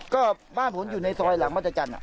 ก็บ้านผมอยู่ในซอยหลังมัธจันทร์